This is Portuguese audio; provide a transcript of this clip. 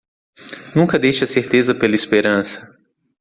Nunca deixe a certeza pela esperança